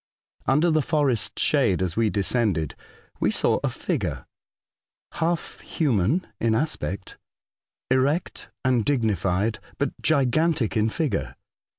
Under the forest shade, as we descended, we saw a figure half human in aspect — erect and dignified — but gigantic in figure.